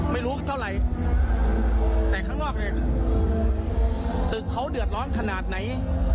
ไม่รู้เท่าไหร่แต่ข้างนอกเนี่ยตึกเขาเดือดร้อนขนาดไหน